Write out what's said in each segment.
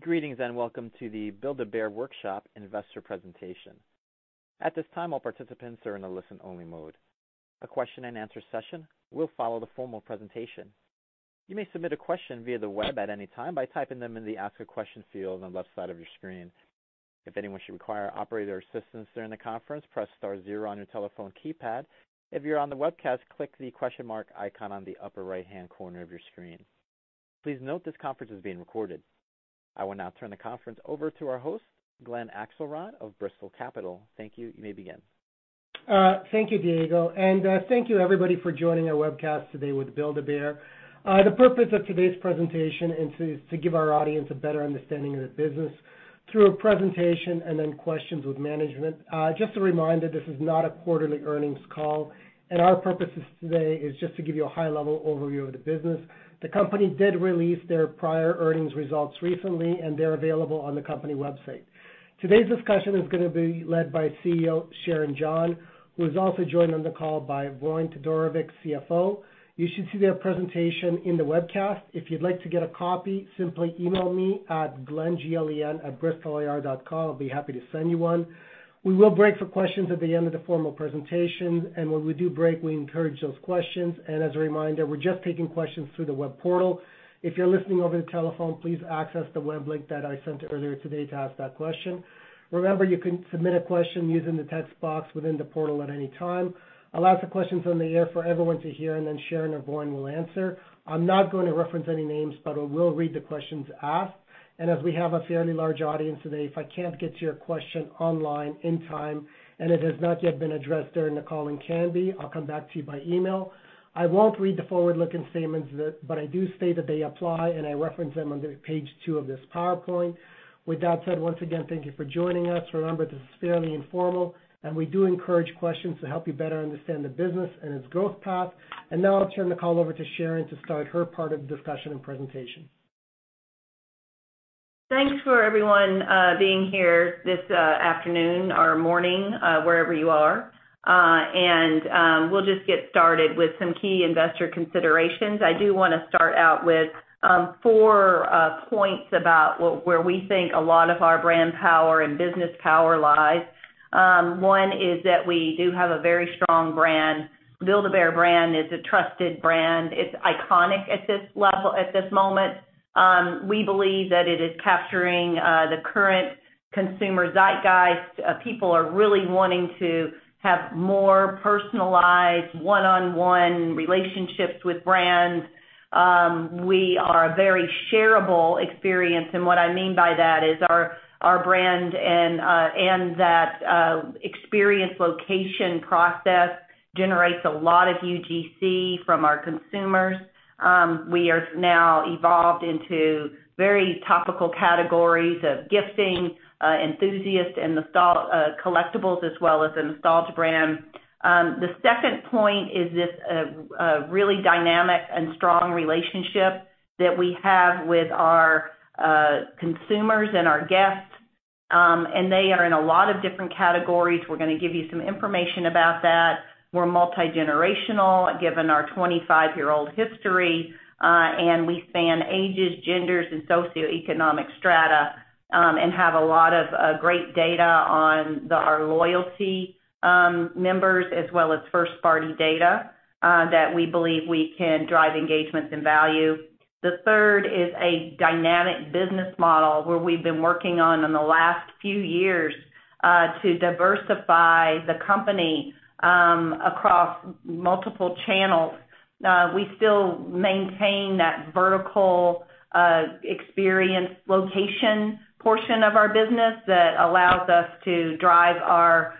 Greetings and welcome to the Build-A-Bear Workshop Investor Presentation. At this time, all participants are in a listen-only mode. A question and answer session will follow the formal presentation. You may submit a question via the web at any time by typing them in the Ask a Question field on the left side of your screen. If anyone should require operator assistance during the conference, press star zero on your telephone keypad. If you're on the webcast, click the question mark icon on the upper right-hand corner of your screen. Please note this conference is being recorded. I will now turn the conference over to our host, Glenn Axelrod of Bristol Capital. Thank you. You may begin. Thank you, Diego. Thank you everybody for joining our webcast today with Build-A-Bear. The purpose of today's presentation is to give our audience a better understanding of the business through a presentation and then questions with management. Just a reminder, this is not a quarterly earnings call, and our purposes today is just to give you a high-level overview of the business. The company did release their prior earnings results recently, they're available on the company website. Today's discussion is gonna be led by CEO, Sharon John, who is also joined on the call by Voin Todorovic, CFO. You should see their presentation in the webcast. If you'd like to get a copy, simply email me at Glenn, G-L-E-N, @bristolir.com. I'll be happy to send you one. We will break for questions at the end of the formal presentation. When we do break, we encourage those questions. As a reminder, we're just taking questions through the web portal. If you're listening over the telephone, please access the web link that I sent earlier today to ask that question. Remember, you can submit a question using the text box within the portal at any time. I'll ask the questions on the air for everyone to hear, Sharon or Voin will answer. I'm not going to reference any names, but I will read the questions asked. As we have a fairly large audience today, if I can't get to your question online in time, and it has not yet been addressed during the call and can be, I'll come back to you by email. I won't read the forward-looking statements, but I do state that they apply, and I reference them under page two of this PowerPoint. With that said, once again, thank you for joining us. Remember, this is fairly informal, and we do encourage questions to help you better understand the business and its growth path. Now I'll turn the call over to Sharon to start her part of the discussion and presentation. Thanks for everyone, being here this afternoon or morning, wherever you are. We'll just get started with some key investor considerations. I do wanna start out with four points about where we think a lot of our brand power and business power lies. One is that we do have a very strong brand. Build-A-Bear brand is a trusted brand. It's iconic at this level, at this moment. We believe that it is capturing the current consumer zeitgeist. People are really wanting to have more personalized one-on-one relationships with brands. We are a very shareable experience, and what I mean by that is our brand and that experience location process generates a lot of UGC from our consumers. We are now evolved into very topical categories of gifting, enthusiasts, and collectibles as well as a nostalgia brand. The second point is this really dynamic and strong relationship that we have with our consumers and our guests. They are in a lot of different categories. We're gonna give you some information about that. We're multigenerational, given our 25-year-old history, and we span ages, genders, and socioeconomic strata, and have a lot of great data on the, our loyalty members as well as first-party data that we believe we can drive engagements and value. The third is a dynamic business model where we've been working on in the last few years to diversify the company across multiple channels. We still maintain that vertical experience location portion of our business that allows us to drive our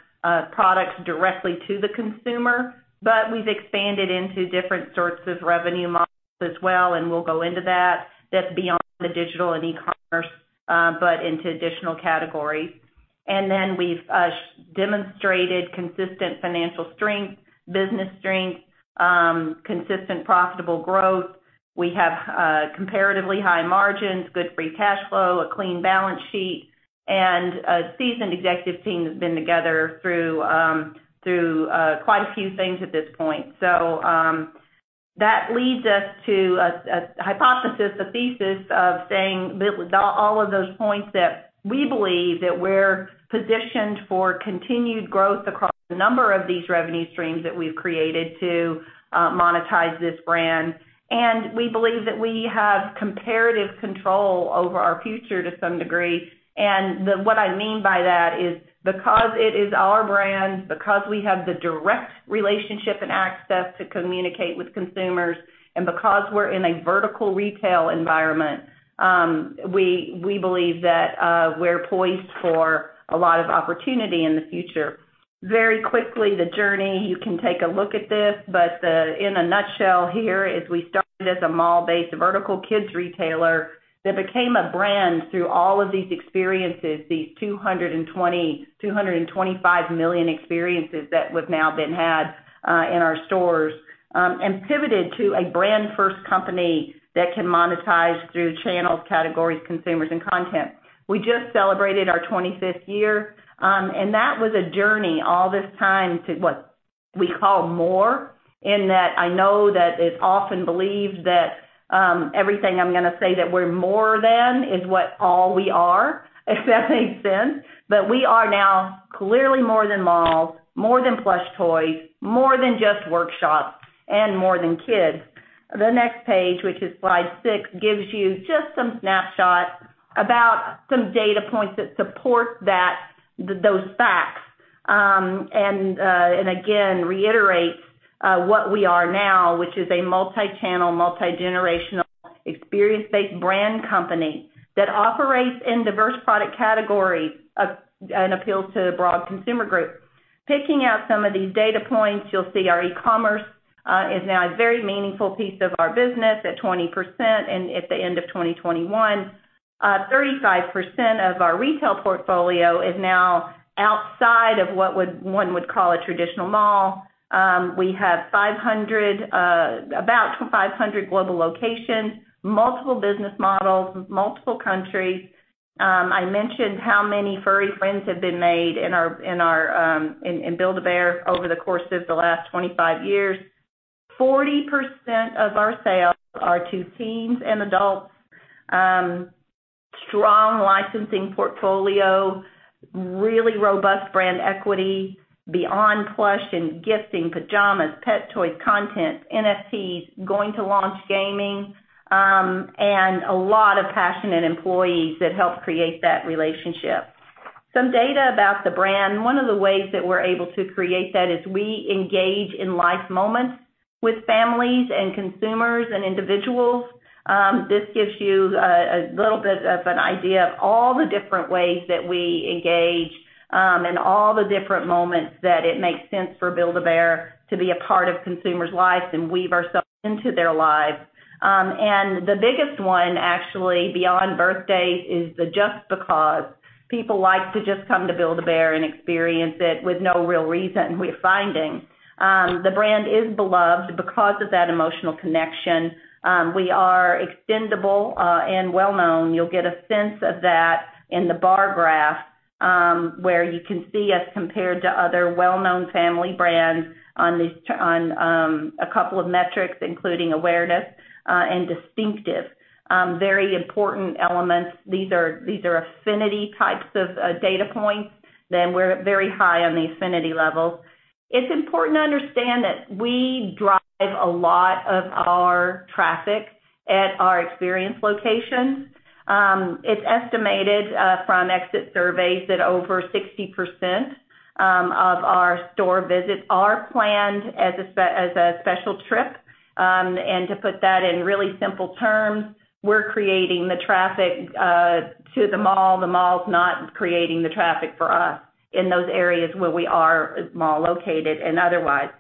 products directly to the consumer, we've expanded into different sorts of revenue models as well, and we'll go into that. That's beyond the digital and e-commerce, into additional categories. We've demonstrated consistent financial strength, business strength, consistent profitable growth. We have comparatively high margins, good free cash flow, a clean balance sheet, and a seasoned executive team that's been together through quite a few things at this point. That leads us to a hypothesis, a thesis of saying all of those points that we believe that we're positioned for continued growth across a number of these revenue streams that we've created to monetize this brand. We believe that we have comparative control over our future to some degree. What I mean by that is because it is our brand, because we have the direct relationship and access to communicate with consumers, and because we're in a vertical retail environment, we believe that we're poised for a lot of opportunity in the future. Very quickly, the journey, you can take a look at this. In a nutshell here is we started as a mall-based vertical kids retailer that became a brand through all of these experiences, these 225 million experiences that we've now been had in our stores, and pivoted to a brand-first company that can monetize through channels, categories, consumers, and content. We just celebrated our 25th year, that was a journey all this time to what we call more in that I know that it's often believed that, everything I'm gonna say that we're more than is what all we are, if that makes sense. We are now clearly more than malls, more than plush toys, more than just workshops, and more than kids. The next page, which is slide six, gives you just some snapshots about some data points that support that, those facts. Again, reiterates what we are now, which is a multi-channel, multigenerational, experience-based brand company that operates in diverse product categories of, and appeals to a broad consumer group. Picking out some of these data points, you'll see our e-commerce, is now a very meaningful piece of our business at 20%. At the end of 2021, 35% of our retail portfolio is now outside of what one would call a traditional mall. We have 500, about 500 global locations, multiple business models, multiple countries. I mentioned how many furry friends have been made in our Build-A-Bear over the course of the last 25 years. 40% of our sales are to teens and adults. Strong licensing portfolio, really robust brand equity beyond plush and gifting, pajamas, pet toys, content, NFTs, going to launch gaming, and a lot of passionate employees that help create that relationship. Some data about the brand. One of the ways that we're able to create that is we engage in life moments with families and consumers and individuals. This gives you a little bit of an idea of all the different ways that we engage and all the different moments that it makes sense for Build-A-Bear to be a part of consumers' lives and weave ourselves into their lives. The biggest one actually, beyond birthdays, is the just because. People like to just come to Build-A-Bear and experience it with no real reason, we're finding. The brand is beloved because of that emotional connection. We are extendable and well-known. You'll get a sense of that in the bar graph, where you can see us compared to other well-known family brands on these, on a couple of metrics, including awareness and distinctive, very important elements. These are, these are affinity types of data points, then we're very high on the affinity level. It's important to understand that we drive a lot of our traffic at our experience locations. It's estimated from exit surveys that over 60% of our store visits are planned as a special trip. To put that in really simple terms, we're creating the traffic to the mall. The mall's not creating the traffic for us in those areas where we are mall-located and otherwise.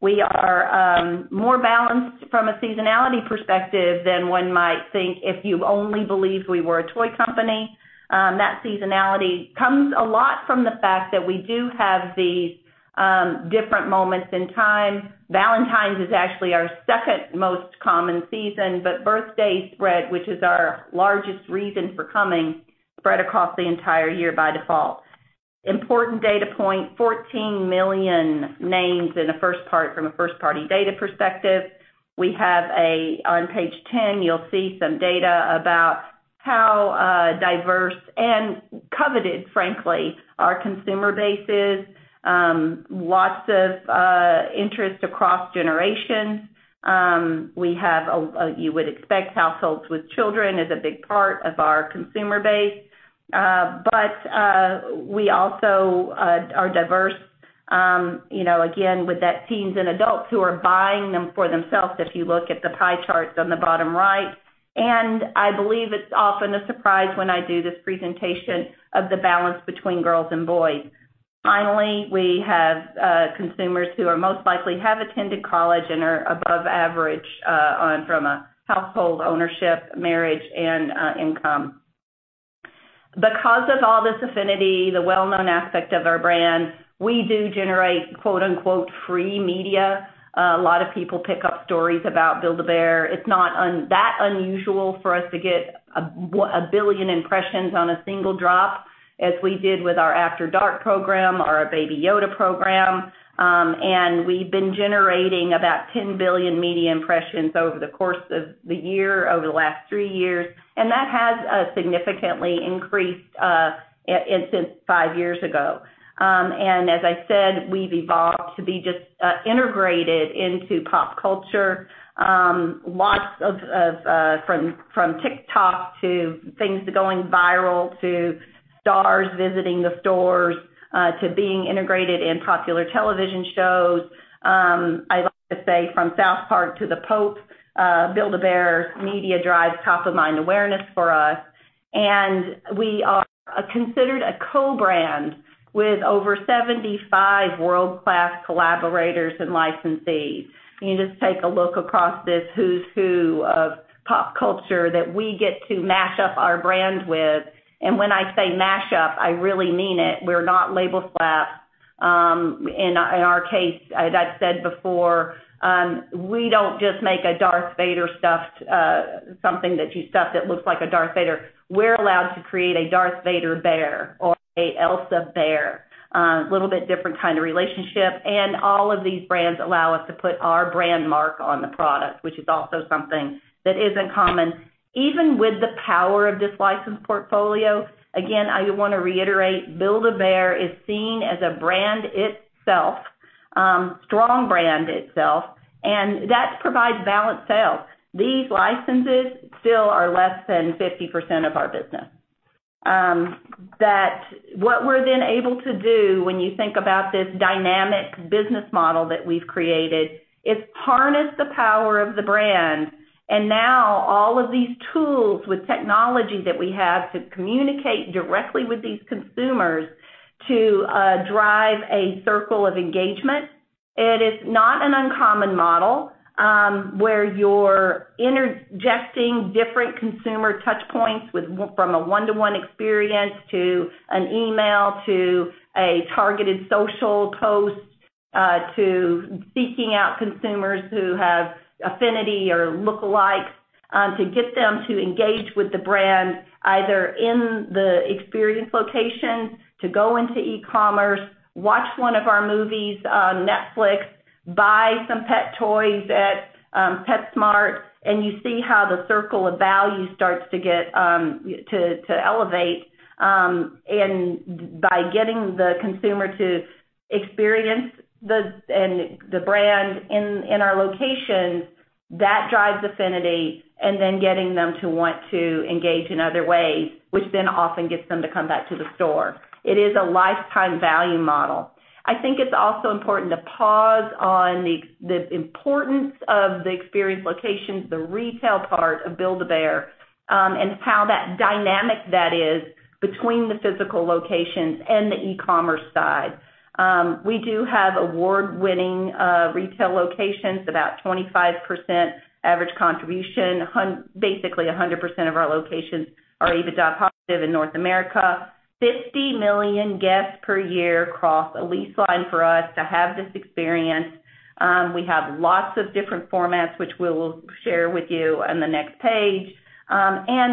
We are more balanced from a seasonality perspective than one might think if you only believed we were a toy company. That seasonality comes a lot from the fact that we do have these different moments in time. Valentine's is actually our second most common season, but birthdays spread, which is our largest reason for coming, spread across the entire year by default. Important data point, 14 million names in a first part, from a first-party data perspective. We have a, on page 10, you'll see some data about how diverse and coveted, frankly, our consumer base is. Lots of interest across generations. We have a, you would expect households with children is a big part of our consumer base. But we also are diverse, you know, again, with that teens and adults who are buying them for themselves, if you look at the pie charts on the bottom right, I believe it's often a surprise when I do this presentation of the balance between girls and boys. Finally, we have consumers who are most likely have attended college and are above average on, from a household ownership, marriage, and income. Because of all this affinity, the well-known aspect of our brand, we do generate quote-unquote, "Free media." A lot of people pick up stories about Build-A-Bear. It's not that unusual for us to get 1 billion impressions on a single drop, as we did with our After Dark program, our Baby Yoda program. We've been generating about 10 billion media impressions over the course of the year, over the last three years, and that has significantly increased since five years ago. As I said, we've evolved to be just integrated into pop culture. Lots of, from TikTok to things going viral, to stars visiting the stores, to being integrated in popular television shows. I like to say from South Park to the Pope, Build-A-Bear's media drives top-of-mind awareness for us. We are considered a co-brand with over 75 world-class collaborators and licensees. You can just take a look across this who's who of pop culture that we get to mash up our brand with. When I say mash up, I really mean it. We're not label slap. In our case, as I've said before, we don't just make a Darth Vader stuffed something that you stuff that looks like a Darth Vader. We're allowed to create a Darth Vader bear or a Elsa bear. Little bit different kind of relationship. All of these brands allow us to put our brand mark on the product, which is also something that isn't common. Even with the power of this license portfolio, again, I want to reiterate, Build-A-Bear is seen as a brand itself, strong brand itself, and that provides balanced sales. These licenses still are less than 50% of our business. That what we're then able to do when you think about this dynamic business model that we've created, is harness the power of the brand. Now all of these tools with technology that we have to communicate directly with these consumers to drive a circle of engagement. It is not an uncommon model, where you're interjecting different consumer touch points from a one-to-one experience to an email, to a targeted social post, to seeking out consumers who have affinity or lookalikes, to get them to engage with the brand, either in the experience location, to go into e-commerce, watch one of our movies on Netflix, buy some pet toys at PetSmart, and you see how the circle of value starts to get to elevate. By getting the consumer to experience the brand in our locations, that drives affinity and then getting them to want to engage in other ways, which then often gets them to come back to the store. It is a lifetime value model. I think it's also important to pause on the importance of the experience locations, the retail part of Build-A-Bear, and how that dynamic that is between the physical locations and the e-commerce side. We do have award-winning retail locations, about 25% average contribution. Basically 100% of our locations are EBITDA positive in North America. 50 million guests per year cross a lease line for us to have this experience. We have lots of different formats, which we'll share with you on the next page.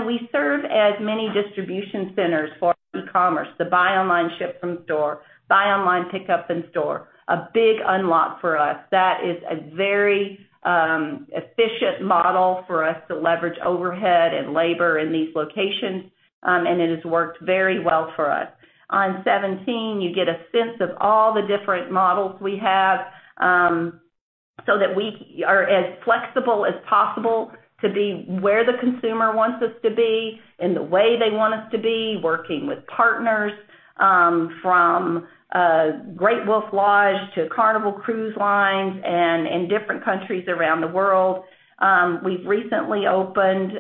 We serve as many distribution centers for e-commerce. The buy online, ship from store, buy online, pick up in store, a big unlock for us. That is a very efficient model for us to leverage overhead and labor in these locations, and it has worked very well for us. On 17, you get a sense of all the different models we have, so that we are as flexible as possible to be where the consumer wants us to be, in the way they want us to be, working with partners, from Great Wolf Lodge to Carnival Cruise Line and in different countries around the world. We've recently opened,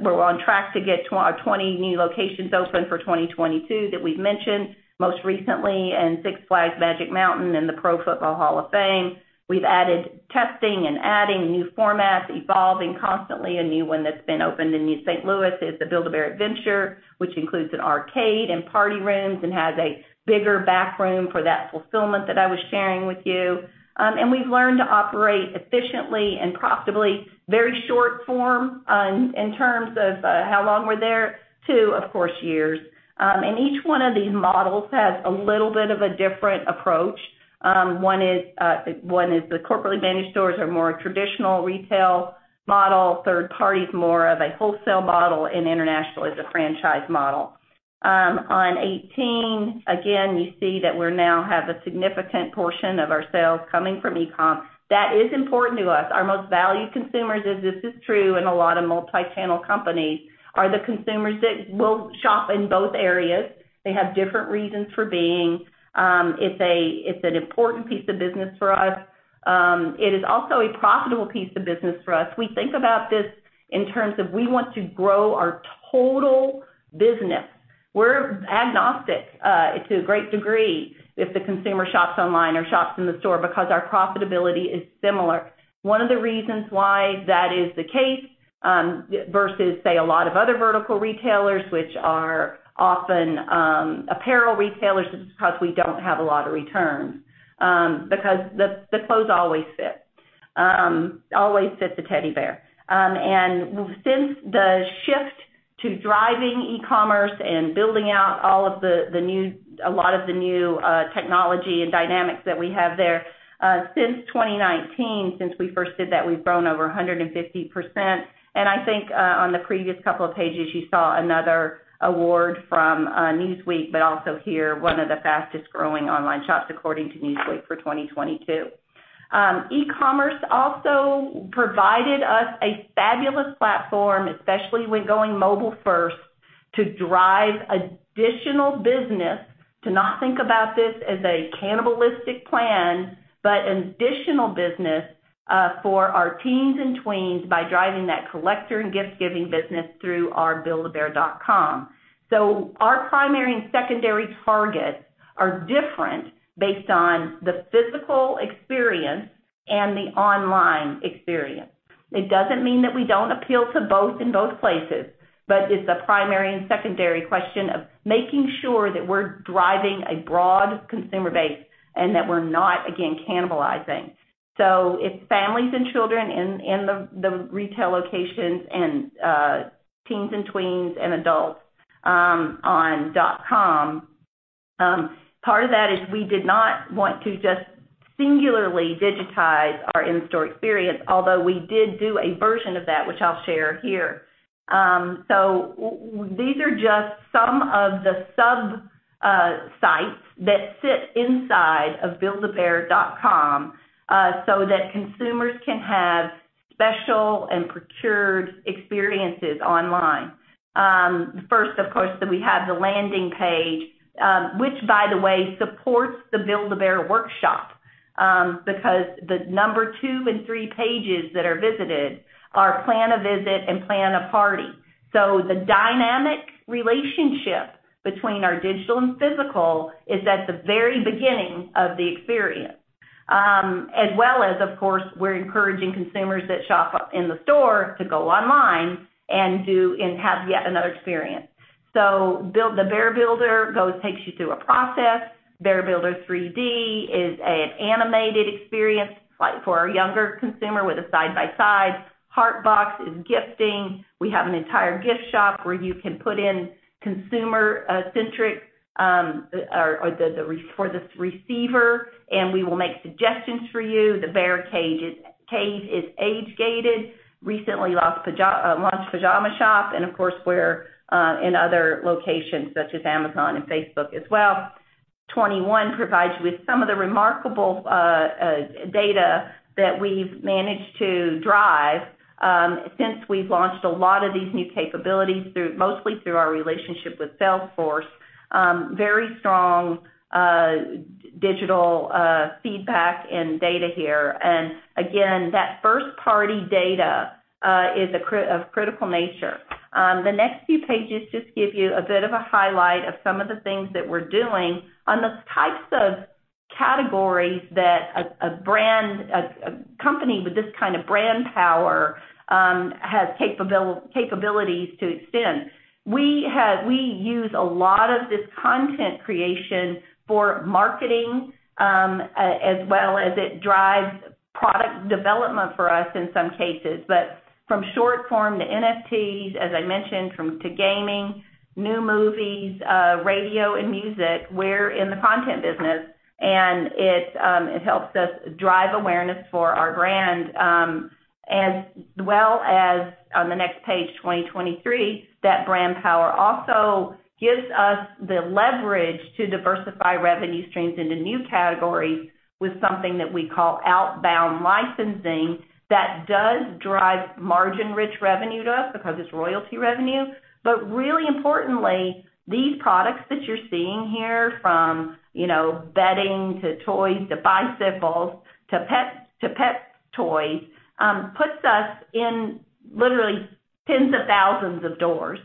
we're on track to get 20 new locations open for 2022 that we've mentioned most recently in Six Flags Magic Mountain and the Pro Football Hall of Fame. We've added testing and adding new formats, evolving constantly. A new one that's been opened in East St. Louis is the Build-A-Bear Adventure, which includes an arcade and party rooms and has a bigger back room for that fulfillment that I was sharing with you. We've learned to operate efficiently and profitably, very short form, in terms of how long we're there to, of course, years. Each one of these models has a little bit of a different approach. One is the corporately managed stores are more a traditional retail model, third party is more of a wholesale model, and international is a franchise model. On 18, again, you see that we now have a significant portion of our sales coming from e-com. That is important to us. Our most valued consumers, as this is true in a lot of multi-channel companies, are the consumers that will shop in both areas. They have different reasons for being. It's an important piece of business for us. It is also a profitable piece of business for us. We think about this in terms of we want to grow our total business. We're agnostic to a great degree if the consumer shops online or shops in the store because our profitability is similar. One of the reasons why that is the case versus say a lot of other vertical retailers, which are often apparel retailers, is because we don't have a lot of returns because the clothes always fit. Always fits a teddy bear. Since the shift to driving e-commerce and building out all of the new technology and dynamics that we have there, since 2019, since we first did that, we've grown over 150%. I think, on the previous couple of pages, you saw another award from Newsweek, but also here, one of the fastest growing online shops according to Newsweek for 2022. e-commerce also provided us a fabulous platform, especially when going mobile first, to drive additional business to not think about this as a cannibalistic plan, but an additional business for our teens and tweens by driving that collector and gift-giving business through our buildabear.com. Our primary and secondary targets are different based on the physical experience and the online experience. It doesn't mean that we don't appeal to both in both places, it's a primary and secondary question of making sure that we're driving a broad consumer base and that we're not, again, cannibalizing. It's families and children in the retail locations and teens and tweens and adults on dot com. Part of that is we did not want to just singularly digitize our in-store experience, although we did do a version of that, which I'll share here. These are just some of the sub sites that sit inside of buildabear.com so that consumers can have special and procured experiences online. First, of course, that we have the landing page, which by the way supports the Build-A-Bear Workshop, because the number two and three pages that are visited are Plan a Visit and Plan a Party. The dynamic relationship between our digital and physical is at the very beginning of the experience. As well as, of course, we're encouraging consumers that shop up in the store to go online and do and have yet another experience. Build the Bear Builder goes, takes you through a process. Bear Builder 3D is an animated experience like for our younger consumer with a side-by-side. HeartBox is gifting. We have an entire gift shop where you can put in consumer-centric, or the, for the receiver, and we will make suggestions for you. The Bear Cave is age-gated. Recently launched Pajama Shop, of course, we're in other locations such as Amazon and Facebook as well. 21 provides you with some of the remarkable data that we've managed to drive since we've launched a lot of these new capabilities through, mostly through our relationship with Salesforce. Very strong digital feedback and data here. Again, that first-party data is of critical nature. The next few pages just give you a bit of a highlight of some of the things that we're doing on the types of categories that a brand, a company with this kind of brand power, has capabilities to extend. We use a lot of this content creation for marketing as well as it drives product development for us in some cases. From short form to NFTs, as I mentioned, from to gaming, new movies, radio and music, we're in the content business, and it helps us drive awareness for our brand, as well as on the next page, 2023, that brand power also gives us the leverage to diversify revenue streams into new categories with something that we call outbound licensing that does drive margin-rich revenue to us because it's royalty revenue. Really importantly, these products that you're seeing here from, you know, bedding to toys to bicycles to pet, to pet toys, puts us in literally tens of thousands of doors,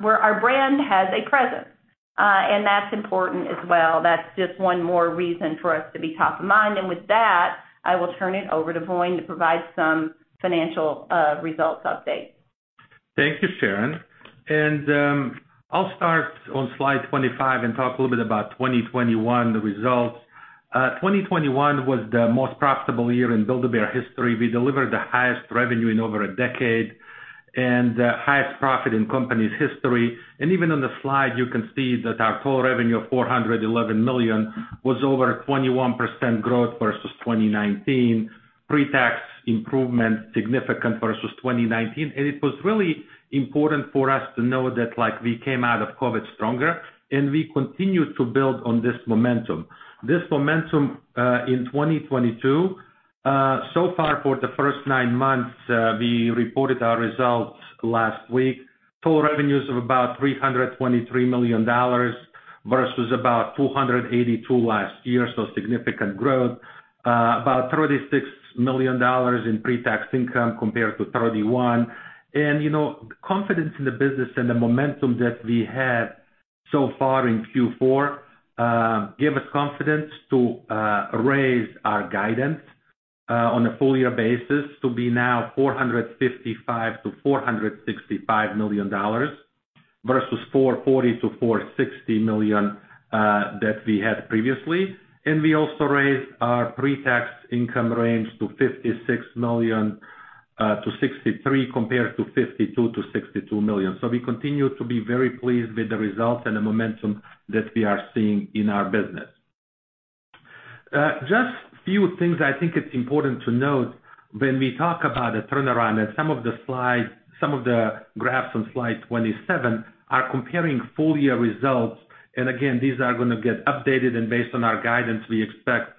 where our brand has a presence. That's important as well. That's just one more reason for us to be top of mind. With that, I will turn it over to Voin to provide some financial results updates. Thank you, Sharon. I'll start on slide 25 and talk a little bit about 2021, the results. 2021 was the most profitable year in Build-A-Bear history. We delivered the highest revenue in over a decade and the highest profit in company's history. Even on the slide, you can see that our total revenue of $411 million was over 21% growth versus 2019. Pre-tax improvement, significant versus 2019. It was really important for us to know that like we came out of COVID stronger, and we continue to build on this momentum. This momentum in 2022, so far for the first nine months, we reported our results last week. Total revenues of about $323 million versus about $282 million last year, so significant growth. About $36 million in pre-tax income compared to $31 million. You know, confidence in the business and the momentum that we had so far in Q4 give us confidence to raise our guidance on a full year basis to be now $455 million-$465 million versus $440 million-$460 million that we had previously. We also raised our pre-tax income range to $56 million-$63 million compared to $52 million-$62 million. We continue to be very pleased with the results and the momentum that we are seeing in our business. Just few things I think it's important to note when we talk about a turnaround and some of the slides, some of the graphs on slide 27 are comparing full-year results. Again, these are gonna get updated and based on our guidance, we expect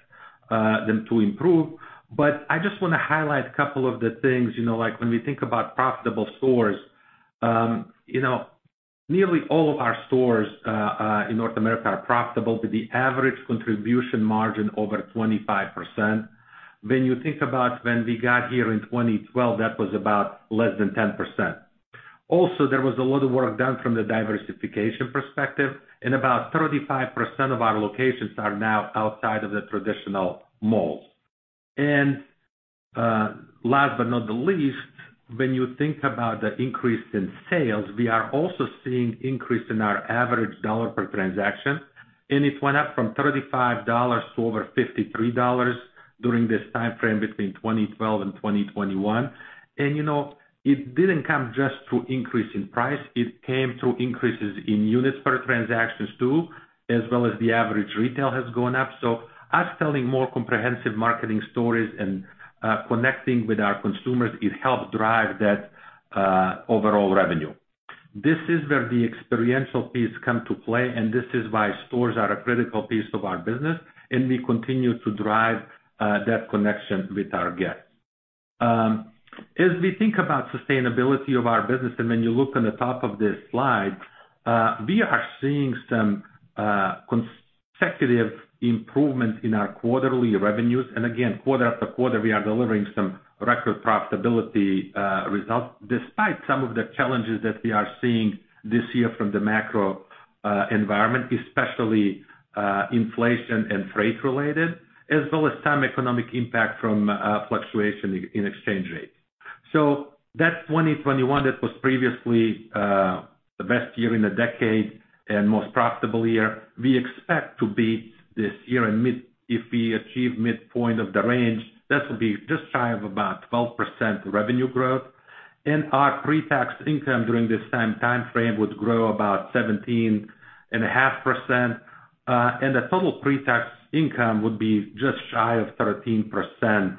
them to improve. I just wanna highlight a couple of the things, you know, like when we think about profitable stores. You know, nearly all of our stores in North America are profitable with the average contribution margin over 25%. When you think about when we got here in 2012, that was about less than 10%. Also, there was a lot of work done from the diversification perspective, and about 35% of our locations are now outside of the traditional malls. Last but not the least, when you think about the increase in sales, we are also seeing increase in our average dollar per transaction. It went up from $35 to over $53 during this time frame between 2012 and 2021. You know, it didn't come just through increase in price, it came through increases in units per transactions too, as well as the average retail has gone up. Us telling more comprehensive marketing stories and connecting with our consumers, it helped drive that overall revenue. This is where the experiential piece come to play, and this is why stores are a critical piece of our business, and we continue to drive that connection with our guests. As we think about sustainability of our business, and when you look on the top of this slide, we are seeing some consecutive improvement in our quarterly revenues. Again, quarter after quarter, we are delivering some record profitability results despite some of the challenges that we are seeing this year from the macro environment, especially inflation and freight related, as well as some economic impact from fluctuation in exchange rates. That 2021 that was previously the best year in a decade and most profitable year, we expect to beat this year if we achieve midpoint of the range, that will be just shy of about 12% revenue growth. Our pre-tax income during this same time frame would grow about 17.5%. The total pre-tax income would be just shy of 13%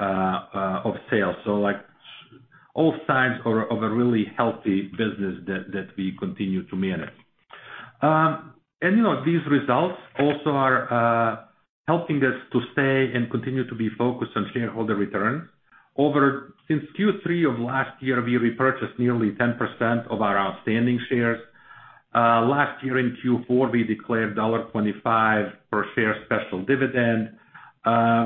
of sales. Like, all signs are of a really healthy business that we continue to manage. You know, these results also are helping us to stay and continue to be focused on shareholder returns. Since Q3 of last year, we repurchased nearly 10% of our outstanding shares. Last year in Q4, we declared $1.25 per share special dividend.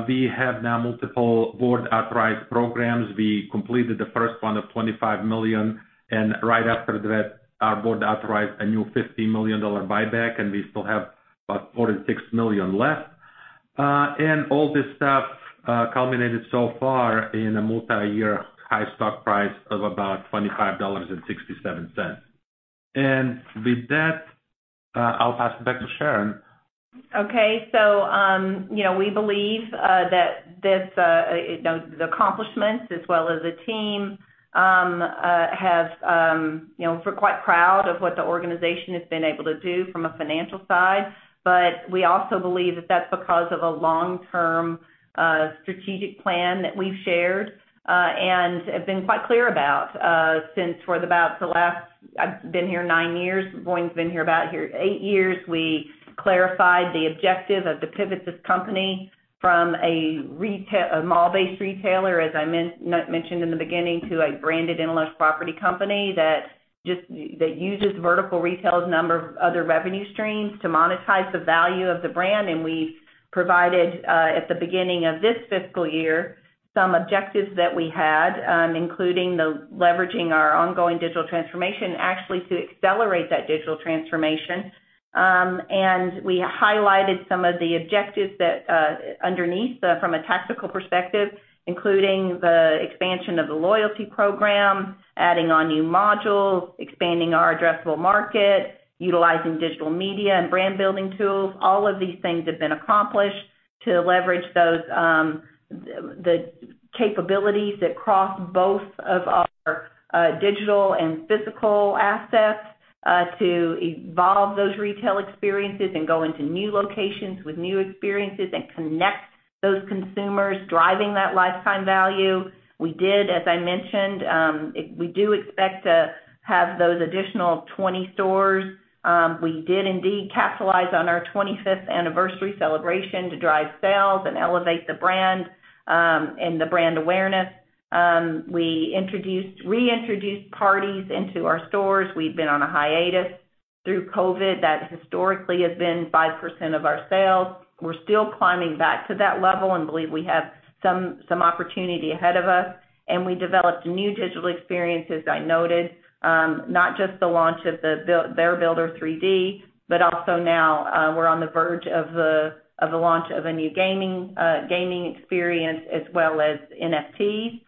We have now multiple board authorized programs. We completed the first one of $25 million, right after that, our board authorized a new $50 million buyback, we still have about $46 million left. All this stuff culminated so far in a multi-year high stock price of about $25.67. With that, I'll pass it back to Sharon. Okay. We believe that this, the accomplishments as well as the team have. We're quite proud of what the organization has been able to do from a financial side. We also believe that that's because of a long-term strategic plan that we've shared and have been quite clear about since for about the last. I've been here nine years. Voin's been here about eight years. We clarified the objective of the pivot this company from a mall-based retailer, as I mentioned in the beginning, to a branded intellectual property company that just, that uses vertical retail as a number of other revenue streams to monetize the value of the brand. We provided, at the beginning of this fiscal year, some objectives that we had, including the leveraging our ongoing digital transformation, actually to accelerate that digital transformation. We highlighted some of the objectives that, underneath, from a tactical perspective, including the expansion of the loyalty program, adding on new modules, expanding our addressable market, utilizing digital media and brand building tools. All of these things have been accomplished to leverage those, the capabilities that cross both of our, digital and physical assets, to evolve those retail experiences and go into new locations with new experiences and connect those consumers, driving that lifetime value. We did, as I mentioned, we do expect to have those additional 20 stores. We did indeed capitalize on our 25th anniversary celebration to drive sales and elevate the brand and the brand awareness. We reintroduced parties into our stores. We've been on a hiatus through COVID. That historically has been 5% of our sales. We're still climbing back to that level and believe we have some opportunity ahead of us. We developed new digital experiences I noted, not just the launch of the Bear Builder 3D, but also now we're on the verge of the launch of a new gaming gaming experience as well as NFTs.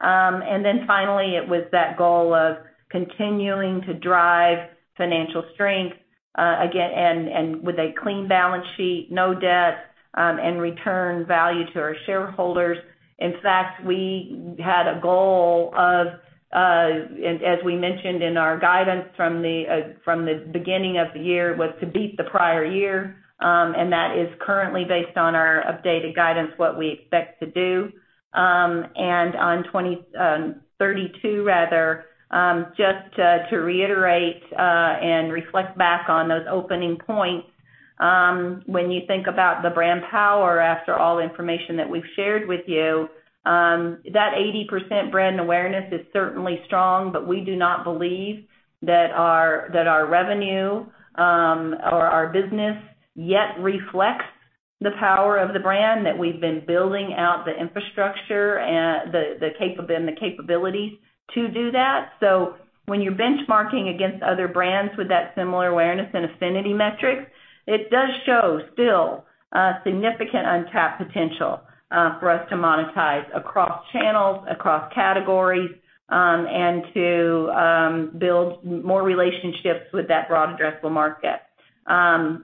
Finally, it was that goal of continuing to drive financial strength again, with a clean balance sheet, no debt, and return value to our shareholders. In fact, we had a goal of, as we mentioned in our guidance from the beginning of the year, was to beat the prior year. That is currently based on our updated guidance, what we expect to do. On 20, 32 rather, just to reiterate and reflect back on those opening points, when you think about the brand power after all the information that we've shared with you, that 80% brand awareness is certainly strong, but we do not believe that our, that our revenue, or our business yet reflects the power of the brand that we've been building out the infrastructure and the capabilities to do that. When you're benchmarking against other brands with that similar awareness and affinity metrics, it does show still significant untapped potential for us to monetize across channels, across categories, and to build more relationships with that broad addressable market.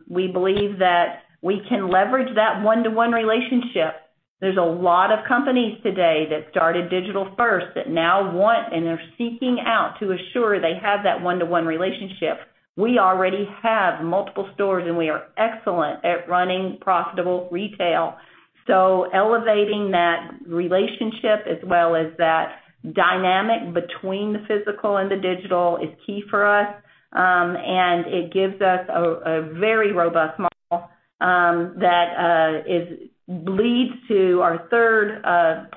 We believe that we can leverage that one-to-one relationship. There's a lot of companies today that started digital first that now want, and they're seeking out to assure they have that one-to-one relationship. We already have multiple stores, and we are excellent at running profitable retail. Elevating that relationship as well as that dynamic between the physical and the digital is key for us. It gives us a very robust model that leads to our third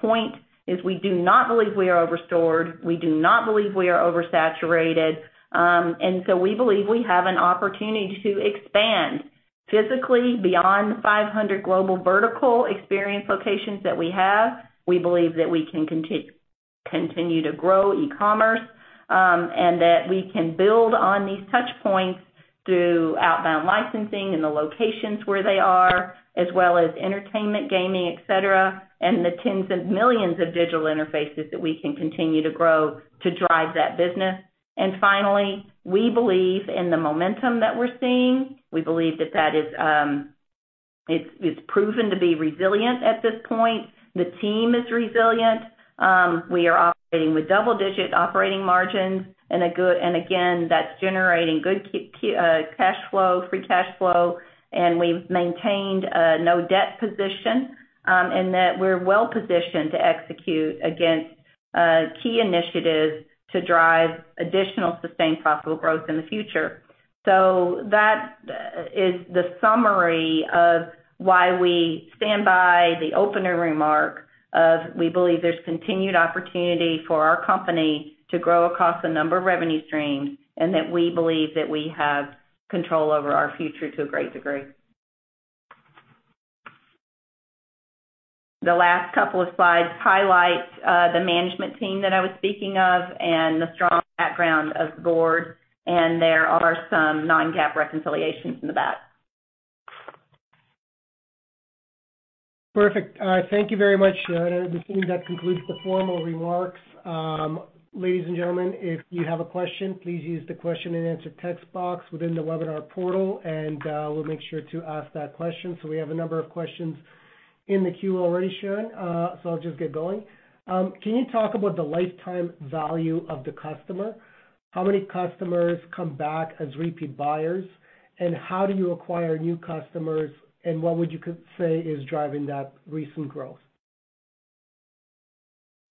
point, is we do not believe we are over-stored. We do not believe we are oversaturated. We believe we have an opportunity to expand physically beyond the 500 global vertical experience locations that we have. We believe that we can continue to grow e-commerce, and that we can build on these touch points through outbound licensing in the locations where they are, as well as entertainment, gaming, et cetera, and the tens of millions of digital interfaces that we can continue to grow to drive that business. We believe in the momentum that we're seeing. We believe that is, it's proven to be resilient at this point. The team is resilient. We are operating with double-digit operating margins and a good and again, that's generating good cash flow, free cash flow. We've maintained a no-debt position, and that we're well-positioned to execute against key initiatives to drive additional sustained profitable growth in the future. That is the summary of why we stand by the opener remark of we believe there's continued opportunity for our company to grow across a number of revenue streams, and that we believe that we have control over our future to a great degree. The last couple of slides highlight the management team that I was speaking of and the strong background of the board, and there are some non-GAAP reconciliations in the back. Perfect. Thank you very much, Sharon. I assume that concludes the formal remarks. Ladies and gentlemen, if you have a question, please use the question-and-answer text box within the webinar portal. We'll make sure to ask that question. We have a number of questions in the queue already, Sharon, I'll just get going. Can you talk about the lifetime value of the customer? How many customers come back as repeat buyers? How do you acquire new customers, and what would you say is driving that recent growth?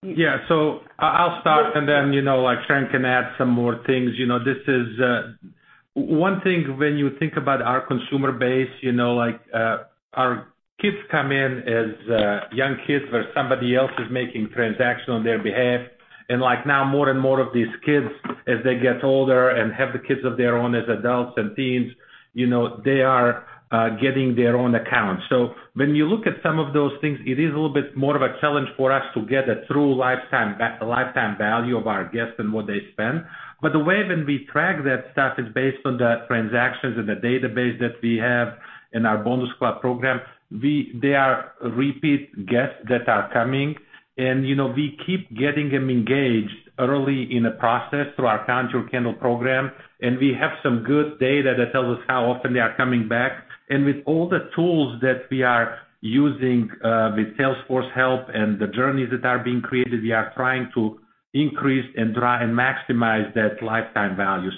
Yeah. I'll start, and then, you know, like, Sharon can add some more things. You know, this is one thing when you think about our consumer base, you know, like, our kids come in as young kids, where somebody else is making transaction on their behalf. Like, now more and more of these kids, as they get older and have the kids of their own as adults and teens, you know, they are getting their own accounts. When you look at some of those things, it is a little bit more of a challenge for us to get a true lifetime value of our guests and what they spend. The way when we track that stuff is based on the transactions and the database that we have in our Bonus Club program. They are repeat guests that are coming and, you know, we keep getting them engaged early in the process through our Count Your Candles program, and we have some good data that tells us how often they are coming back. With all the tools that we are using, with Salesforce help and the journeys that are being created, we are trying to increase and maximize that lifetime value.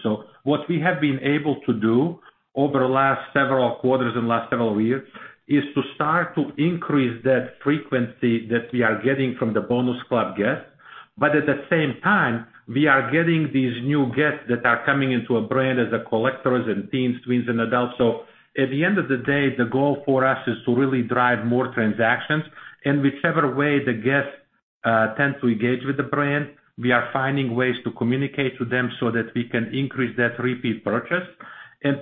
What we have been able to do over the last several quarters and last several years is to start to increase that frequency that we are getting from the bonus club guests. At the same time, we are getting these new guests that are coming into a brand as collectors and teens, tweens and adults. At the end of the day, the goal for us is to really drive more transactions. Whichever way the guests tend to engage with the brand, we are finding ways to communicate with them so that we can increase that repeat purchase.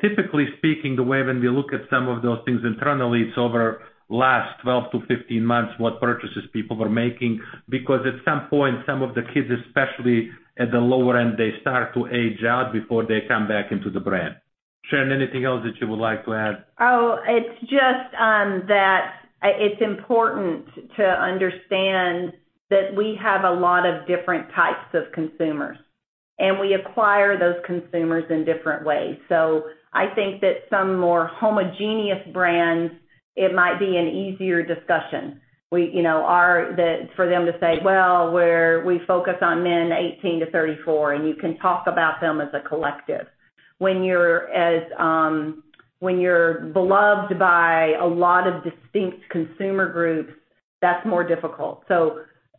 Typically speaking, the way when we look at some of those things internally, it's over last 12-15 months what purchases people were making. Because at some point, some of the kids, especially at the lower end, they start to age out before they come back into the brand. Sharon, anything else that you would like to add? It's just that it's important to understand that we have a lot of different types of consumers, and we acquire those consumers in different ways. I think that some more homogeneous brands, it might be an easier discussion. We, you know, for them to say, "Well, we focus on men 18 to 34," and you can talk about them as a collective. When you're beloved by a lot of distinct consumer groups, that's more difficult.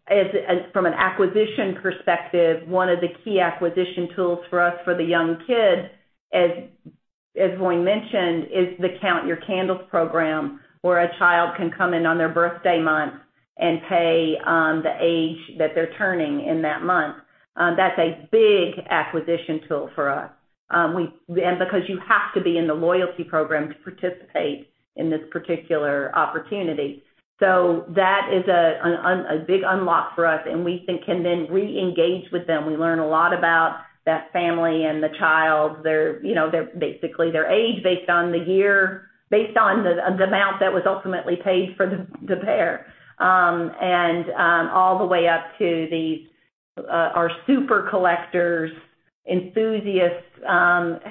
As from an acquisition perspective, one of the key acquisition tools for us for the young kids, as Voin mentioned, is the Count Your Candles program, where a child can come in on their birthday month, and pay the age that they're turning in that month. That's a big acquisition tool for us. Because you have to be in the loyalty program to participate in this particular opportunity. That is a big unlock for us, and we think can then re-engage with them. We learn a lot about that family and the child, their, you know, basically their age based on the year, based on the amount that was ultimately paid for the bear. All the way up to these, our super collectors, enthusiasts,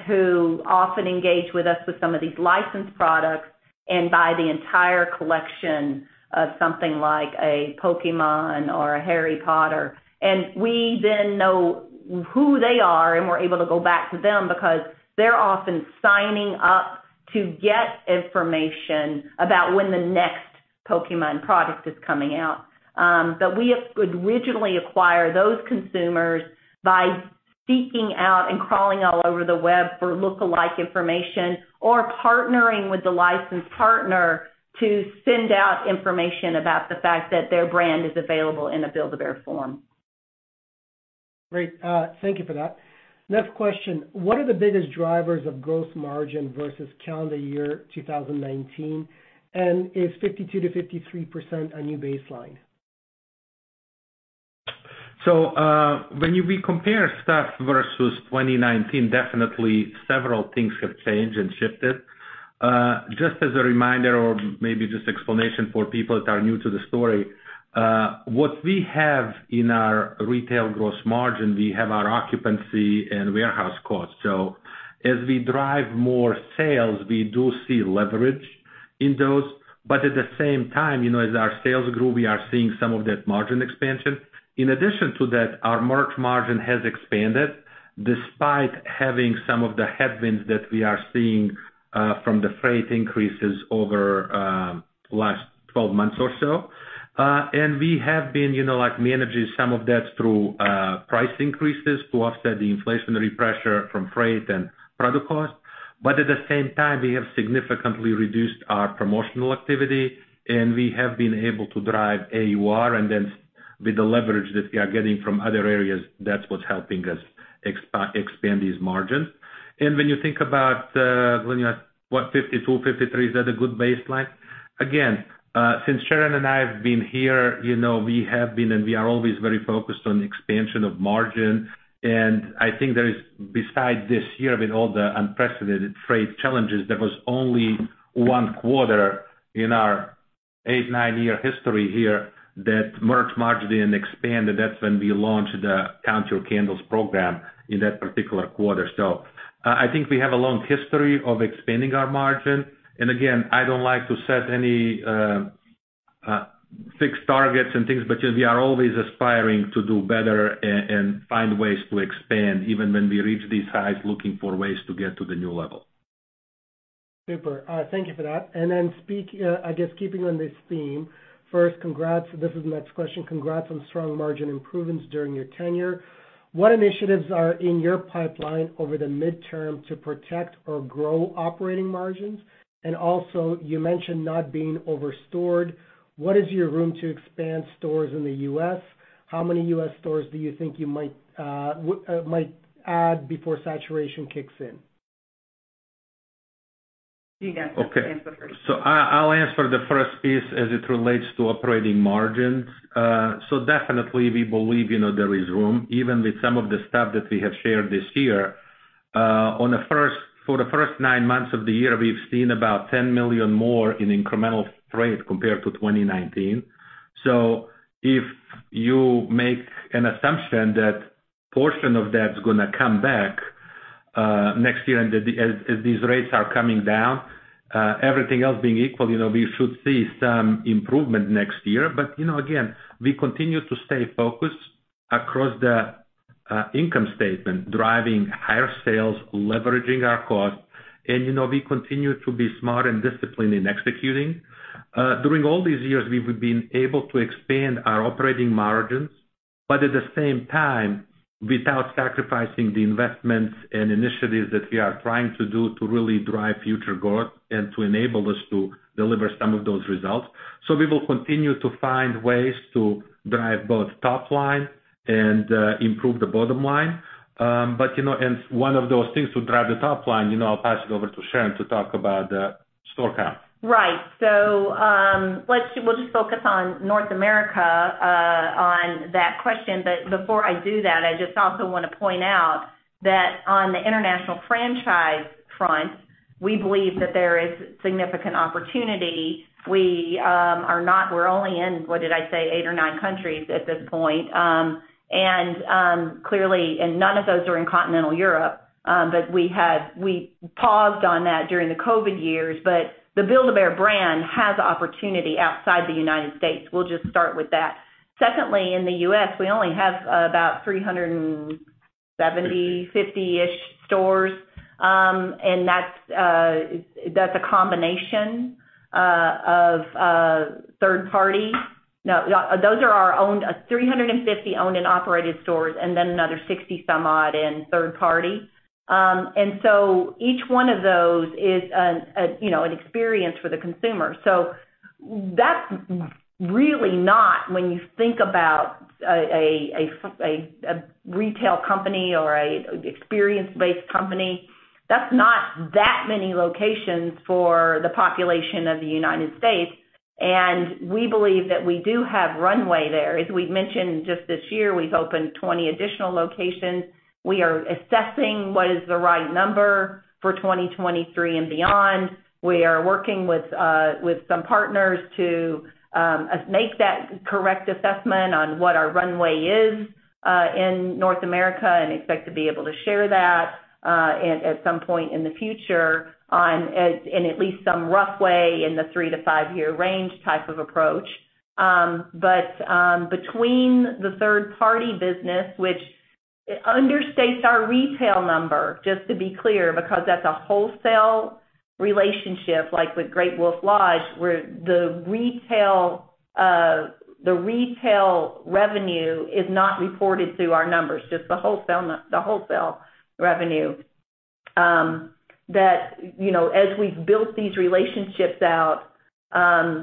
who often engage with us with some of these licensed products and buy the entire collection of something like a Pokémon or a Harry Potter. We then know who they are, and we're able to go back to them because they're often signing up to get information about when the next Pokémon product is coming out. We originally acquire those consumers by seeking out and crawling all over the web for lookalike information or partnering with the licensed partner to send out information about the fact that their brand is available in a Build-A-Bear form. Great. Thank you for that. Next question. What are the biggest drivers of gross margin versus calendar year 2019, and is 52%-53% a new baseline? When we compare stuff versus 2019, definitely several things have changed and shifted. Just as a reminder, or maybe just explanation for people that are new to the story, what we have in our retail gross margin, we have our occupancy and warehouse costs. As we drive more sales, we do see leverage in those. At the same time, you know, as our sales grow, we are seeing some of that margin expansion. In addition to that, our merch margin has expanded despite having some of the headwinds that we are seeing from the freight increases over last 12 months or so. And we have been, you know, like, managing some of that through price increases to offset the inflationary pressure from freight and product costs. At the same time, we have significantly reduced our promotional activity, and we have been able to drive AUR and then with the leverage that we are getting from other areas, that's what's helping us expand these margins. When you think about, when you ask, what, 52, 53, is that a good baseline? Again, since Sharon and I have been here, you know, we have been and we are always very focused on expansion of margin. I think there is, besides this year, with all the unprecedented freight challenges, there was only one quarter in our eight, nine year history here that merch margin didn't expand, and that's when we launched the Count Your Candles program in that particular quarter. I think we have a long history of expanding our margin. Again, I don't like to set any fixed targets and things, but, you know, we are always aspiring to do better and find ways to expand, even when we reach these highs, looking for ways to get to the new level. Super. Thank you for that. Keeping on this theme, first, congrats. This is the next question. Congrats on strong margin improvements during your tenure. What initiatives are in your pipeline over the midterm to protect or grow operating margins? Also, you mentioned not being over-stored. What is your room to expand stores in the U.S.? How many U.S. stores do you think you might add before saturation kicks in? You can answer first. I'll answer the first piece as it relates to operating margins. Definitely we believe, you know, there is room, even with some of the stuff that we have shared this year. For the first nine months of the year, we've seen about $10 million more in incremental freight compared to 2019. If you make an assumption that portion of that's gonna come back next year and as these rates are coming down, everything else being equal, you know, we should see some improvement next year. Again, you know, we continue to stay focused across the income statement, driving higher sales, leveraging our costs, and, you know, we continue to be smart and disciplined in executing. During all these years, we've been able to expand our operating margins, but at the same time, without sacrificing the investments and initiatives that we are trying to do to really drive future growth and to enable us to deliver some of those results. We will continue to find ways to drive both top line and improve the bottom line. You know, and one of those things to drive the top line, you know, I'll pass it over to Sharon to talk about store count. Right. Let's just focus on North America on that question. Before I do that, I just also wanna point out that on the international franchise front, we believe that there is significant opportunity. We're only in, what did I say? Eight or nine countries at this point. Clearly, none of those are in continental Europe, but we paused on that during the COVID years. The Build-A-Bear brand has opportunity outside the United States. We'll just start with that. Secondly, in the U.S., we only have about 350-ish stores. That's a combination of third party. Those are our owned 350 owned and operated stores another 60 some odd in third party. Each one of those is, you know, an experience for the consumer. That's really not when you think about a retail company or an experience-based company. That's not that many locations for the population of the United States, and we believe that we do have runway there. As we've mentioned, just this year, we've opened 20 additional locations. We are assessing what is the right number for 2023 and beyond. We are working with some partners to make that correct assessment on what our runway is in North America and expect to be able to share that at some point in the future on in at least some rough way in the three to five year range type of approach. Between the third party business, which understates our retail number, just to be clear, because that's a wholesale relationship like with Great Wolf Lodge, where the retail, the retail revenue is not reported through our numbers, just the wholesale the wholesale revenue. As we've built these relationships out,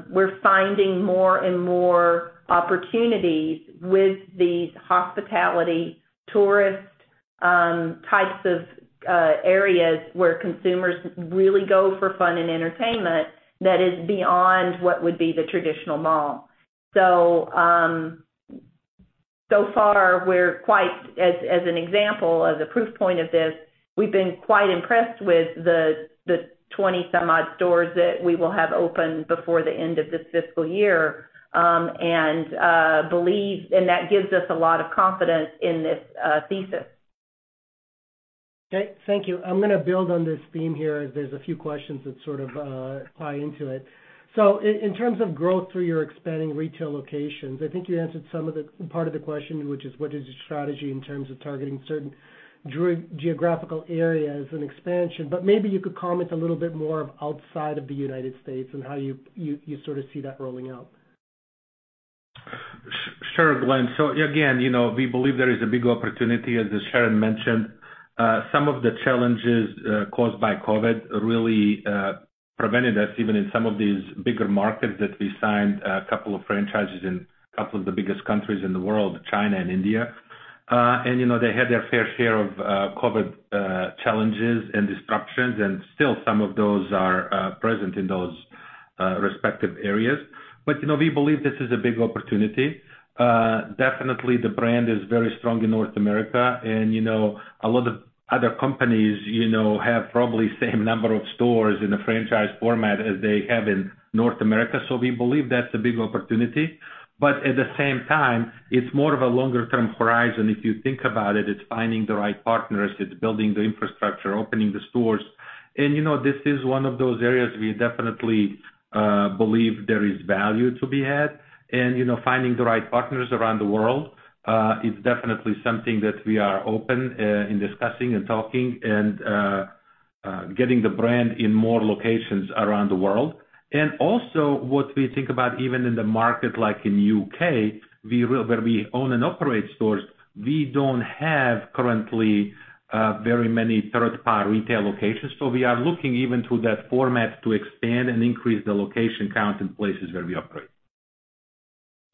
we're finding more and more opportunities with these hospitality tourist types of areas where consumers really go for fun and entertainment that is beyond what would be the traditional mall. So far we're quite as an example, as a proof point of this, we've been quite impressed with the 20 some odd stores that we will have open before the end of this fiscal year. That gives us a lot of confidence in this thesis. Okay, thank you. I'm gonna build on this theme here as there's a few questions that sort of tie into it. In terms of growth through your expanding retail locations, I think you answered some of the part of the question, which is what is your strategy in terms of targeting certain geographical areas and expansion. Maybe you could comment a little bit more of outside of the United States and how you sort of see that rolling out. Sure, Glenn Axelrod. Again, you know, we believe there is a big opportunity, as Sharon mentioned. Some of the challenges caused by COVID really prevented us, even in some of these bigger markets that we signed a couple of franchises in a couple of the biggest countries in the world, China and India. You know, they had their fair share of COVID challenges and disruptions, and still some of those are present in those respective areas. You know, we believe this is a big opportunity. Definitely the brand is very strong in North America and you know, a lot of other companies, you know, have probably same number of stores in a franchise format as they have in North America. We believe that's a big opportunity. At the same time, it's more of a longer term horizon. If you think about it's finding the right partners, it's building the infrastructure, opening the stores. You know, this is one of those areas we definitely believe there is value to be had. You know, finding the right partners around the world is definitely something that we are open in discussing and talking and getting the brand in more locations around the world. Also what we think about even in the market like in U.K. where we own and operate stores, we don't have currently very many third party retail locations. We are looking even to that format to expand and increase the location count in places where we operate.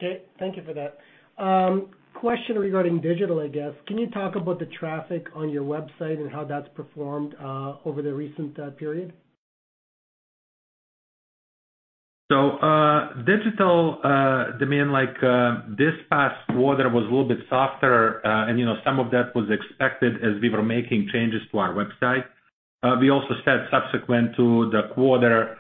Okay. Thank you for that. question regarding digital, I guess. Can you talk about the traffic on your website and how that's performed, over the recent period? Digital demand like this past quarter was a little bit softer. You know, some of that was expected as we were making changes to our website. We also said subsequent to the quarter,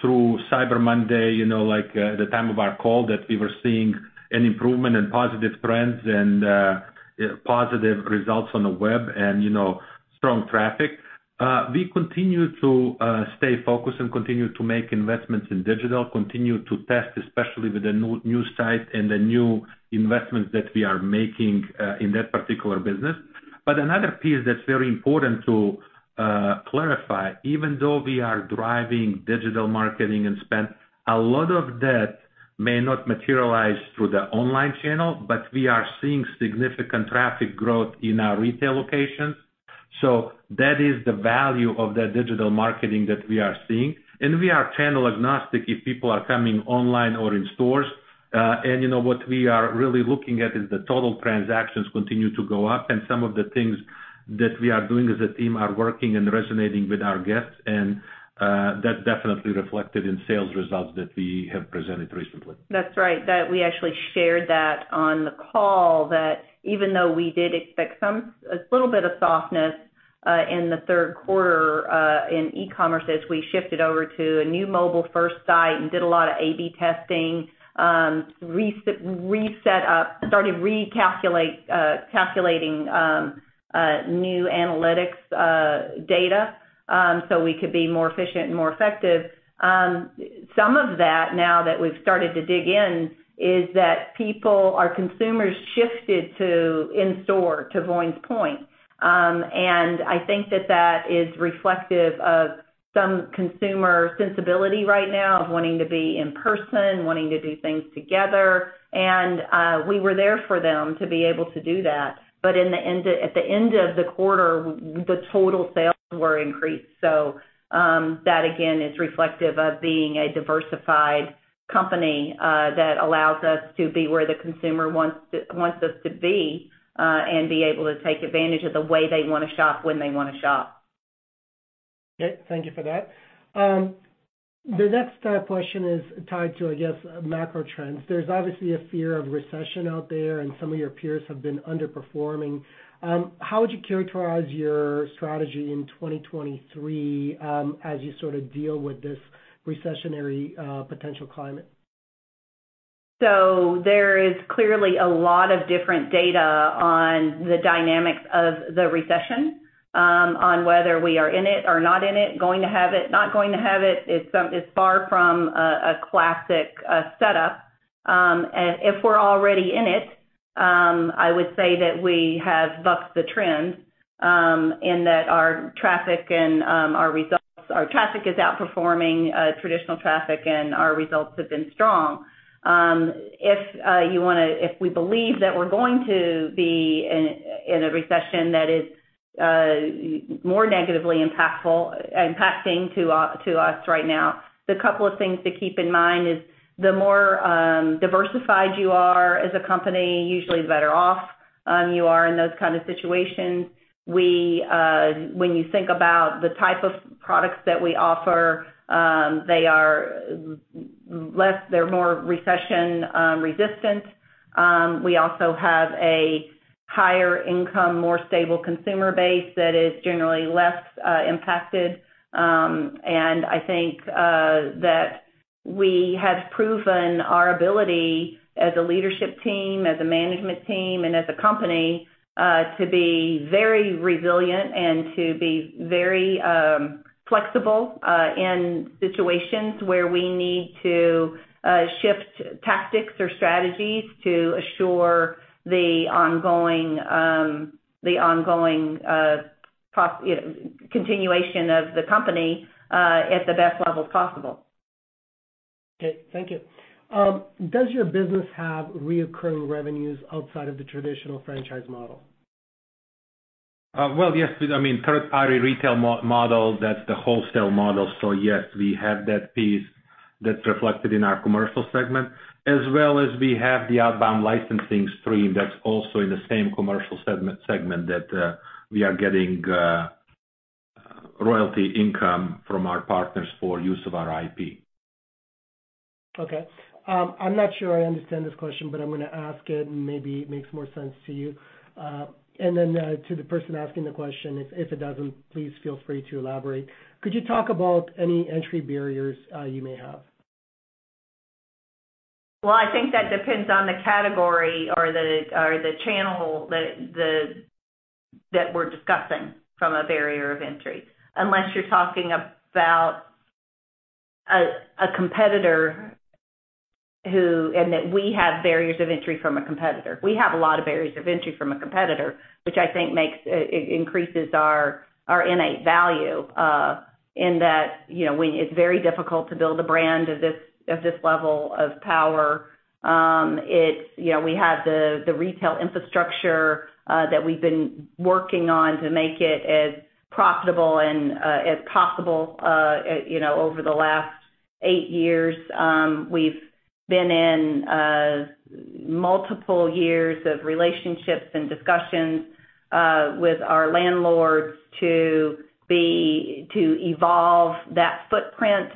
through Cyber Monday, you know, like the time of our call that we were seeing an improvement in positive trends and positive results on the web and, you know, strong traffic. We continue to stay focused and continue to make investments in digital, continue to test especially with the new site and the new investments that we are making in that particular business. Another piece that's very important to clarify, even though we are driving digital marketing and spend, a lot of that may not materialize through the online channel, but we are seeing significant traffic growth in our retail locations. That is the value of that digital marketing that we are seeing. We are channel agnostic if people are coming online or in stores. You know, what we are really looking at is the total transactions continue to go up and some of the things that we are doing as a team are working and resonating with our guests. That's definitely reflected in sales results that we have presented recently. That's right. That we actually shared that on the call that even though we did expect some, a little bit of softness, in the third quarter, in e-commerce as we shifted over to a new mobile first site and did a lot of A/B testing, reset up, started calculating new analytics data, so we could be more efficient and more effective. Some of that now that we've started to dig in is that people, our consumers shifted to in-store, to Voin's point. I think that that is reflective of some consumer sensibility right now of wanting to be in person, wanting to do things together. We were there for them to be able to do that. At the end of the quarter, the total sales were increased. That again is reflective of being a diversified company, that allows us to be where the consumer wants us to be, and be able to take advantage of the way they wanna shop when they wanna shop. Okay. Thank you for that. The next question is tied to, I guess, macro trends. There's obviously a fear of recession out there, and some of your peers have been underperforming. How would you characterize your strategy in 2023, as you sort of deal with this recessionary, potential climate? There is clearly a lot of different data on the dynamics of the recession, on whether we are in it or not in it, going to have it, not going to have it. It's far from a classic setup. If we're already in it, I would say that we have bucked the trend, in that our traffic and our results. Our traffic is outperforming traditional traffic, and our results have been strong. If we believe that we're going to be in a recession that is more negatively impactful, impacting to us right now, the couple of things to keep in mind is the more diversified you are as a company, usually the better off, you are in those kind of situations. We, when you think about the type of products that we offer, they are less, they're more recession resistant. We also have a higher income, more stable consumer base that is generally less impacted. I think that we have proven our ability as a leadership team, as a management team, and as a company, to be very resilient and to be very flexible, in situations where we need to shift tactics or strategies to assure the ongoing, the ongoing, pro, you know, continuation of the company, at the best levels possible. Okay. Thank you. Does your business have recurring revenues outside of the traditional franchise model? Well, yes, we do. I mean, third-party retail model, that's the wholesale model. Yes, we have that piece that's reflected in our commercial segment, as well as we have the outbound licensing stream that's also in the same commercial segment that we are getting royalty income from our partners for use of our IP. Okay. I'm not sure I understand this question, but I'm gonna ask it, and maybe it makes more sense to you. To the person asking the question, if it doesn't, please feel free to elaborate. Could you talk about any entry barriers, you may have? I think that depends on the category or the channel that we're discussing from a barrier of entry, unless you're talking about a competitor and that we have barriers of entry from a competitor. We have a lot of barriers of entry from a competitor, which I think makes increases our innate value, in that, you know, it's very difficult to build a brand of this, of this level of power. It's, you know, we have the retail infrastructure that we've been working on to make it as profitable and as possible, you know, over the last eight years. We've been in multiple years of relationships and discussions with our landlords to evolve that footprint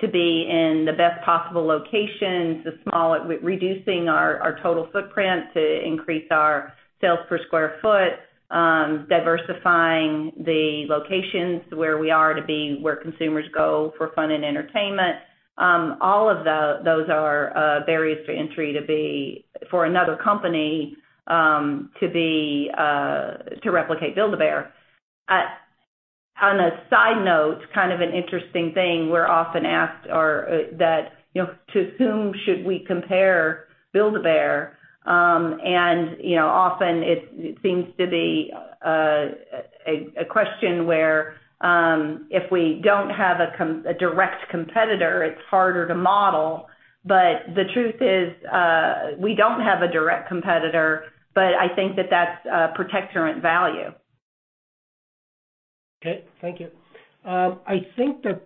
to be in the best possible locations, reducing our total footprint, to increase our sales per square foot, diversifying the locations where we are to be where consumers go for fun and entertainment. All of those are barriers to entry for another company to replicate Build-A-Bear. On a side note, kind of an interesting thing, we're often asked that, you know, to whom should we compare Build-A-Bear? Often, you know, it seems to be a question where if we don't have a direct competitor, it's harder to model. The truth is, we don't have a direct competitor, but I think that that's a protector in value. Okay. Thank you. I think that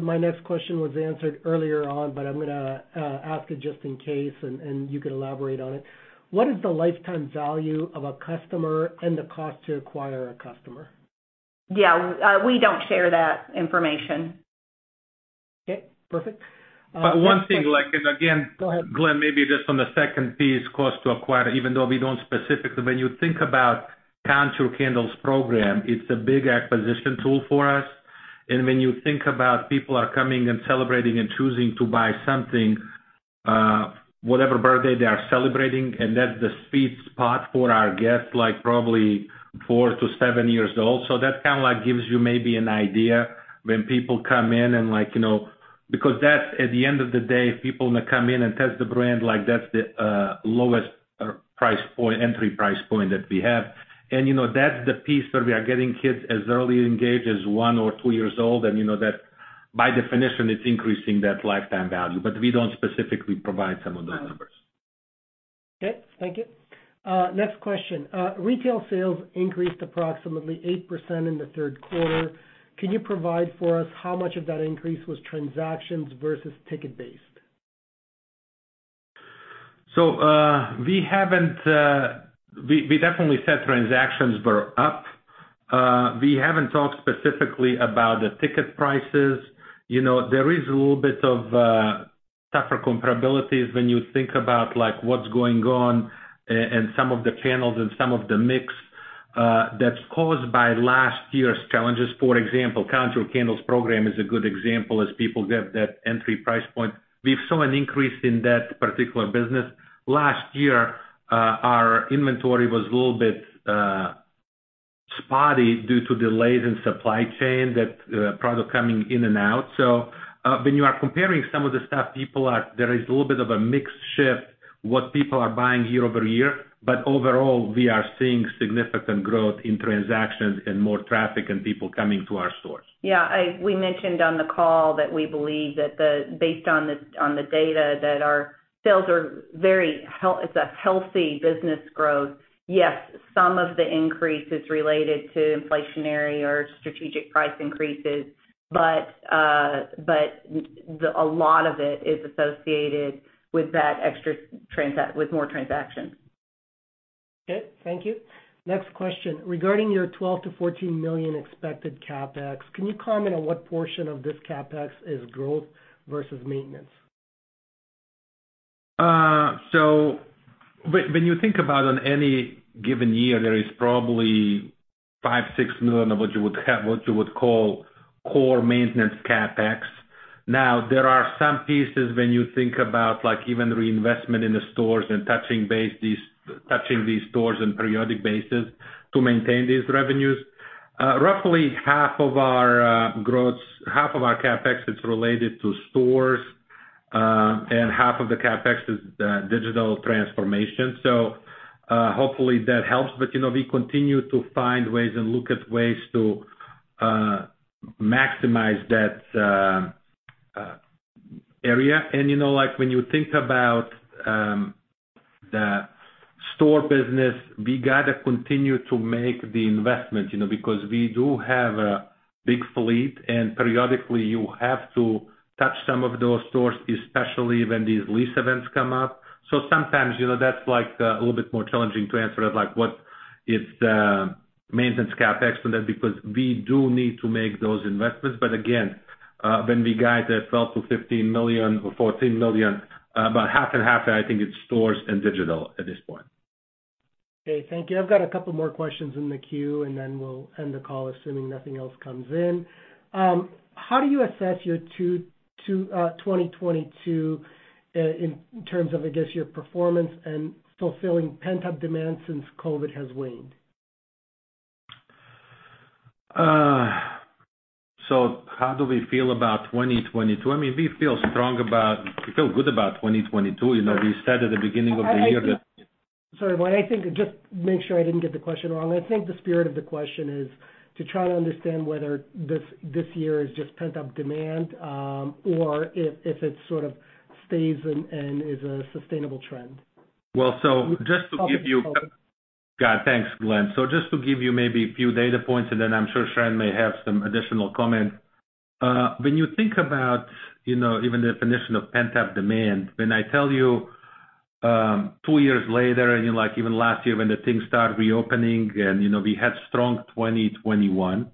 my next question was answered earlier on, but I'm gonna ask it just in case and you can elaborate on it. What is the lifetime value of a customer and the cost to acquire a customer? Yeah. We don't share that information. Okay. Perfect. One thing, like. Go ahead. Glenn, maybe just on the second piece, cost to acquire, even though we don't specifically, when you think about Count Your Candles program, it's a big acquisition tool for us. When you think about people are coming and celebrating and choosing to buy something, whatever birthday they are celebrating, and that's the sweet spot for our guests, like probably four to seven years old. That kinda like gives you maybe an idea when people come in and like, you know, because that's, at the end of the day, people may come in and test the brand, like that's the lowest price point, entry price point that we have. You know, that's the piece where we are getting kids as early engaged as one or two years old. You know, that by definition, it's increasing that lifetime value. We don't specifically provide some of those numbers. Okay. Thank you. next question. retail sales increased approximately 8% in the third quarter. Can you provide for us how much of that increase was transactions versus ticket-based? We haven't, we definitely said transactions were up. We haven't talked specifically about the ticket prices. You know, there is a little bit of tougher comparabilities when you think about, like, what's going on in some of the channels and some of the mix that's caused by last year's challenges. For example, Count Your Candles program is a good example, as people get that entry price point. We've saw an increase in that one particular business. Last year, our inventory was a little bit spotty due to delays in supply chain that product coming in and out. When you are comparing some of the stuff people are... There is a little bit of a mix shift what people are buying year-over-year. Overall, we are seeing significant growth in transactions and more traffic and people coming to our stores. Yeah, we mentioned on the call that we believe that based on the data that it's a healthy business growth. Some of the increase is related to inflationary or strategic price increases, but a lot of it is associated with that with more transactions. Thank you. Next question. Regarding your $12 million-$14 million expected CapEx, can you comment on what portion of this CapEx is growth versus maintenance? When you think about on any given year, there is probably $5 million-$6 million of what you would call core maintenance CapEx. Now, there are some pieces when you think about, like, even reinvestment in the stores and touching these stores on periodic basis to maintain these revenues. Roughly half of our growths, half of our CapEx is related to stores, half of the CapEx is digital transformation. Hopefully that helps. You know, we continue to find ways and look at ways to maximize that area. You know, like, when you think about the store business, we gotta continue to make the investment, you know. Because we do have a big fleet, and periodically you have to touch some of those stores, especially when these lease events come up. Sometimes, you know, that's, like, a little bit more challenging to answer it like what is the maintenance CapEx for that, because we do need to make those investments. Again, when we guide that $12 million-$15 million or $14 million, about half and half, I think it's stores and digital at this point. Okay, thank you. I've got a couple more questions in the queue, and then we'll end the call, assuming nothing else comes in. How do you assess your 2022 in terms of, I guess, your performance and fulfilling pent-up demand since COVID has waned? How do we feel about 2022? I mean, we feel good about 2022. You know, we said at the beginning of the year that- Sorry. Just make sure I didn't get the question wrong. I think the spirit of the question is to try to understand whether this year is just pent-up demand, or if it sort of stays and is a sustainable trend. Just to give you. God, thanks, Glenn Axelrod. Just to give you maybe a few data points, and then I'm sure Sharon John may have some additional comment. When you think about, you know, even the definition of pent-up demand. When I tell you, two years later, and you know, like even last year when the things started reopening and, you know, we had strong 2021.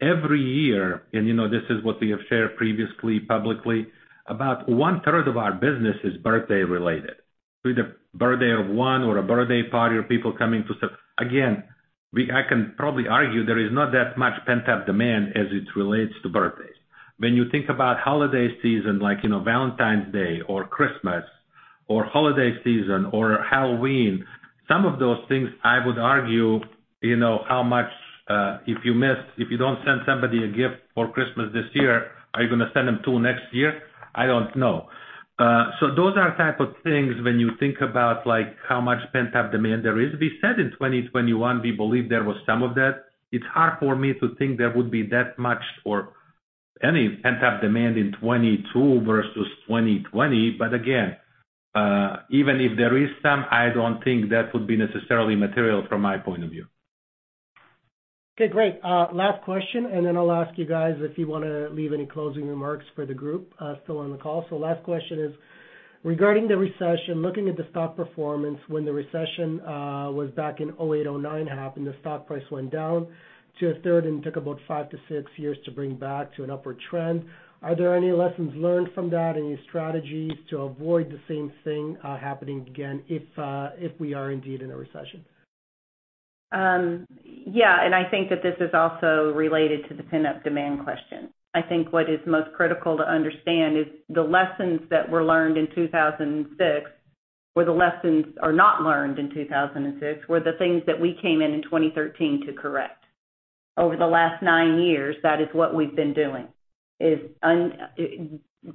Every year, and you know, this is what we have shared previously publicly, about one-third of our business is birthday related. Be the birthday of one or a birthday party or people coming to. I can probably argue there is not that much pent-up demand as it relates to birthdays. When you think about holiday season, like, you know, Valentine's Day or Christmas or holiday season or Halloween, some of those things I would argue, you know, how much, if you don't send somebody a gift for Christmas this year, are you gonna send them till next year? I don't know. Those are type of things when you think about, like, how much pent-up demand there is. We said in 2021, we believe there was some of that. It's hard for me to think there would be that much or any pent-up demand in 2022 versus 2020. Again, even if there is some, I don't think that would be necessarily material from my point of view. Okay, great. Last question, and then I'll ask you guys if you wanna leave any closing remarks for the group still on the call. Last question is, regarding the recession, looking at the stock performance when the recession was back in 2008, 2009 happened, the stock price went down to a third and took about 5 to 6 years to bring back to an upward trend. Are there any lessons learned from that? Any strategies to avoid the same thing happening again, if we are indeed in a recession? Yeah, I think that this is also related to the pent-up demand question. I think what is most critical to understand is the lessons that were learned in 2006 were the lessons, or not learned in 2006, were the things that we came in in 2013 to correct. Over the last 9 years, that is what we've been doing, is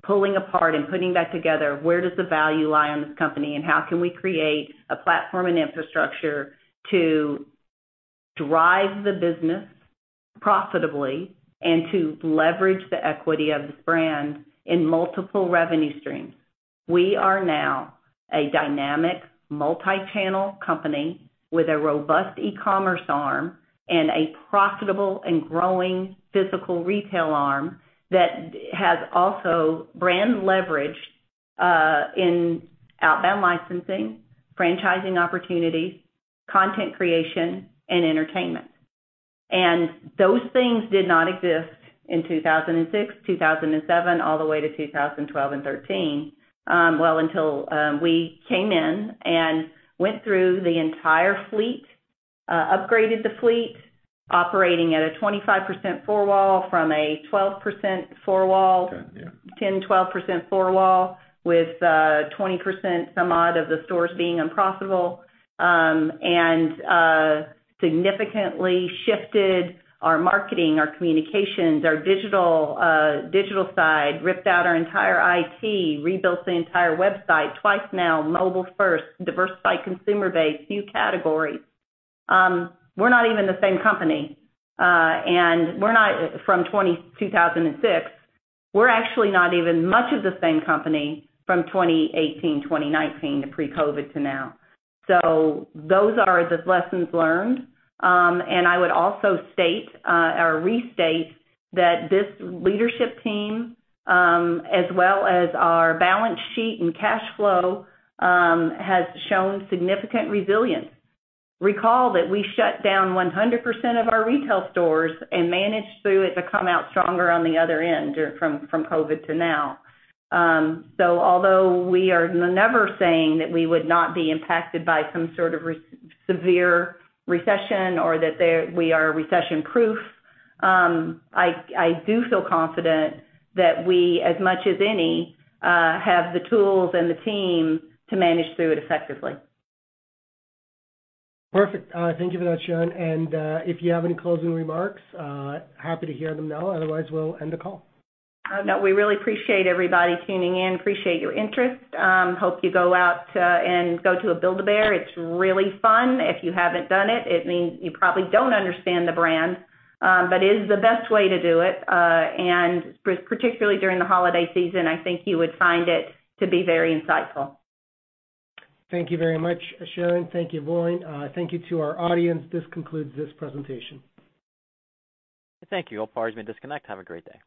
pulling apart and putting back together where does the value lie on this company and how can we create a platform and infrastructure to drive the business profitably and to leverage the equity of this brand in multiple revenue streams. We are now a dynamic multi-channel company with a robust e-commerce arm and a profitable and growing physical retail arm that has also brand leverage in outbound licensing, franchising opportunities, content creation, and entertainment. Those things did not exist in 2006, 2007, all the way to 2012 and 2013, well, until we came in and went through the entire fleet, upgraded the fleet, operating at a 25% floor wall from a 12% floor wall. 10, yeah. 10%-12% floor wall with 20% some odd of the stores being unprofitable, significantly shifted our marketing, our communications, our digital side, ripped out our entire IT, rebuilt the entire website twice now, mobile first, diversified consumer base, new categories. We're not even the same company, and we're not from 2006. We're actually not even much of the same company from 2018, 2019 to pre-COVID to now. Those are the lessons learned. I would also state or restate that this leadership team, as well as our balance sheet and cash flow, has shown significant resilience. Recall that we shut down 100% of our retail stores and managed through it to come out stronger on the other end from COVID to now. Although we are never saying that we would not be impacted by some sort of severe recession or that we are recession-proof, I do feel confident that we, as much as any, have the tools and the team to manage through it effectively. Perfect. Thank you for that, Sharon. If you have any closing remarks, happy to hear them now. Otherwise, we'll end the call. No, we really appreciate everybody tuning in. Appreciate your interest. Hope you go out and go to a Build-A-Bear. It's really fun. If you haven't done it means you probably don't understand the brand, but it is the best way to do it. Particularly during the holiday season, I think you would find it to be very insightful. Thank you very much, Sharon. Thank you, Voin. Thank you to our audience. This concludes this presentation. Thank you. All parties may disconnect. Have a great day.